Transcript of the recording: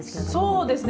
そうですね。